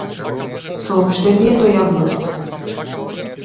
Сооштение до јавноста.